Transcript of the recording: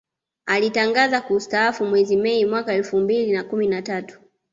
Alitangaza kustaafu mwezi Mei mwaka elfu mbili na kumi na tatu